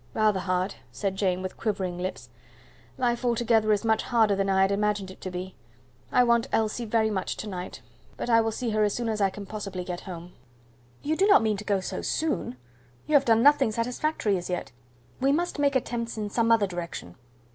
"Rather hard," said Jane, with quivering lips. "Life altogether is much harder than I had imagined it to be. I want Elsie very much to night; but I will see her as soon as I can possibly get home." "You do not mean to go so soon? you have done nothing satisfactory as yet. We must make attempts in some other direction."